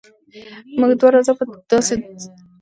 دروازه په داسې زور خلاصه شوه چې دوی دواړه په خپل ځای جټکه وخوړه.